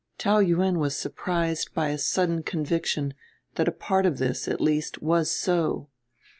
Taou Yuen was surprised by a sudden conviction that a part of this, at least, was so.